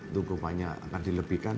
itu hukumannya akan dilebihkan